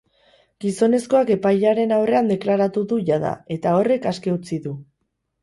Gizonezkoak epailearen aurrean deklaratu du jada, eta horrek aske utzi du.